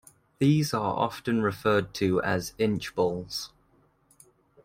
These are often referred to as inch balls.